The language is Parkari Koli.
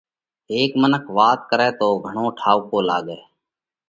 هيڪ منک وات ڪرئه تو گھڻو ٺائُوڪو لاڳئه